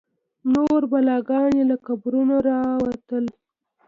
نور بلاګان له قبرونو راوتل.